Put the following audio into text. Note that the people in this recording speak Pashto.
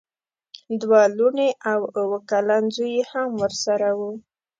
دوه لوڼې او اوه کلن زوی یې هم ورسره وو.